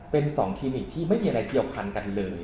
เป็น๒คลินิกที่ไม่มีอะไรเกี่ยวพันกันเลย